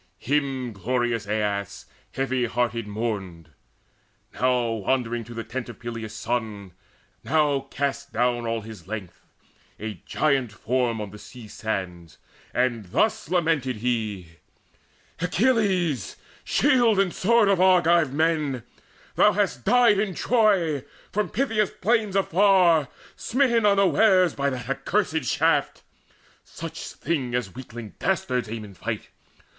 Him glorious Aias heavy hearted mourned, Now wandering to the tent of Peleus' son, Now cast down all his length, a giant form, On the sea sands; and thus lamented he: "Achilles, shield and sword of Argive men, Thou hast died in Troy, from Phthia's plains afar, Smitten unwares by that accursed shaft, Such thing as weakling dastards aim in fight!